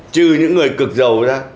trừ những người cực giàu ra